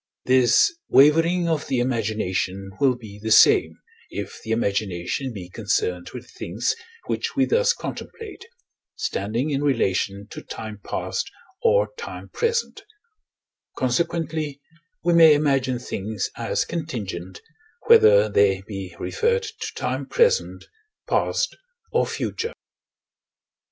This wavering of the imagination will be the same, if the imagination be concerned with things which we thus contemplate, standing in relation to time past or time present: consequently, we may imagine things as contingent, whether they be referred to time present, past, or future.